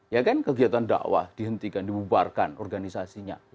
ya kan kegiatan dakwah dihentikan dibubarkan organisasinya